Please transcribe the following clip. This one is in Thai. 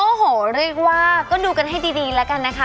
โอ้โหเรียกว่าก็ดูกันให้ดีแล้วกันนะคะ